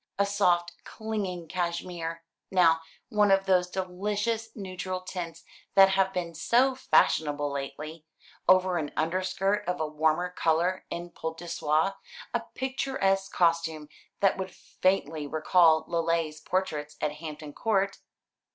A soft clinging cashmere, now, one of those delicious neutral tints that have been so fashionable lately, over an underskirt of a warmer colour in poult de soie, a picturesque costume that would faintly recall Lely's portraits at Hampton Court."